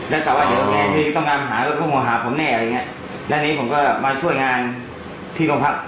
แล้วก็ว่าเดี๋ยวต้องการหาผมแน่แล้วผมก็มาช่วยงานที่ต้องพัก